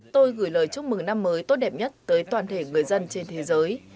tôi gửi lời chúc mừng năm mới tốt đẹp nhất tới toàn thể người dân trên thế giới